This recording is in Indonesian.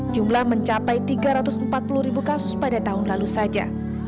jumlah mencapai tiga ratus empat puluh ribu kasus pada tahun lalu saja